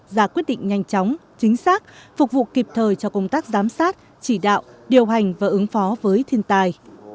giả quyết định nhanh chóng chính xác phục vụ kịp thời cho công tác giám sát chỉ đạo điều hành và ứng phó với thiên tài